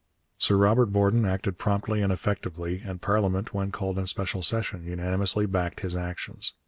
Sir Robert Borden acted promptly and effectively, and parliament when called in special session unanimously backed his actions.